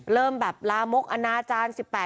เริ่มแบบลามกอนาจารย์๑๘